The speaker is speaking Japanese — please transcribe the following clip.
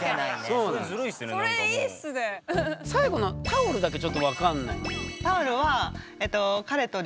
最後の「タオル」だけちょっと分かんない。